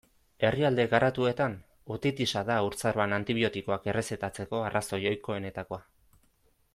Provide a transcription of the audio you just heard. Herrialde garatuetan, otitisa da haurtzaroan antibiotikoak errezetatzeko arrazoi ohikoenetakoa.